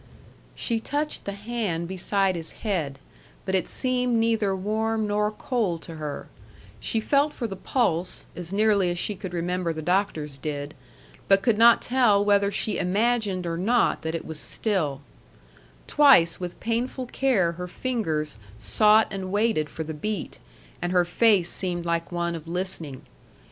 She touched the hand beside his head, but it seemed neither warm nor cold to her; she felt for the pulse, as nearly as she could remember the doctors did, but could not tell whether she imagined or not that it was still; twice with painful care her fingers sought and waited for the beat, and her face seemed like one of listening.